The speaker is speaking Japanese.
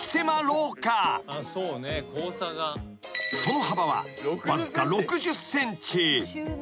［その幅はわずか６０ｃｍ］